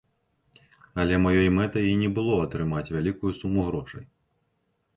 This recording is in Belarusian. Але маёй мэтай і не было атрымаць вялікую суму грошай.